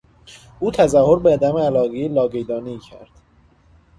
او تظاهر به عدم علاقهی لاقیدانهای کرد.